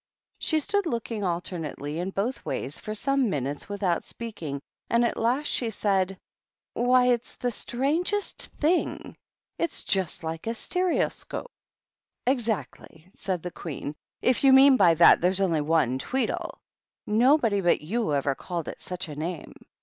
She stood looking alter* nately in both ways for some minutes without speaking, and at last she said, "Why, it's the strangest thing! It's just like a stereoscope!" " Exactly," said the Queen, " if you mean by that that there's only one Tweedle. Nobody but you ever called it such a name.